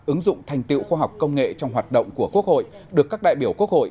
ứng dụng thành tiệu khoa học công nghệ trong hoạt động của quốc hội được các đại biểu quốc hội